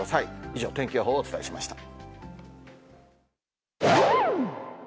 以上、天気予報をお伝えしました。